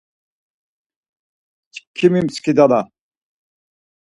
Çkimi skidala.